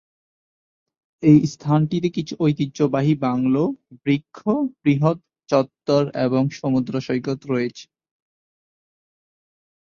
এই স্থানটিতে কিছু ঐতিহ্যবাহী বাংলো, বৃক্ষ, বৃহৎ চত্বর এবং সমুদ্র সৈকত রয়েছে।